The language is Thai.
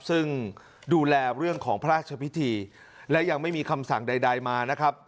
ซึ่งดูแลเรื่องของพระราชพิธีและยังไม่มีคำสั่งใดมานะครับ